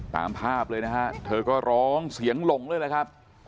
ตามภาพเลยนะฮะเธอก็ร้องเสียงหลงเลยนะครับ